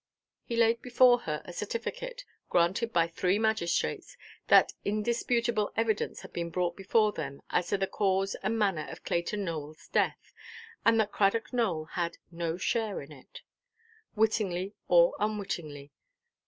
He laid before her a certificate, granted by three magistrates, that indisputable evidence had been brought before them as to the cause and manner of Clayton Nowellʼs death, and that Cradock Nowell had no share in it, wittingly or unwittingly.